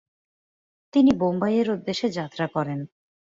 তিনি বোম্বাইয়ের উদ্দেশ্যে যাত্রা করেন।